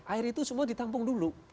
air itu semua ditampung dulu